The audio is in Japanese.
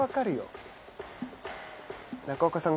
中岡さん